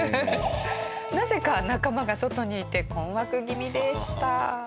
なぜか仲間が外にいて困惑気味でした。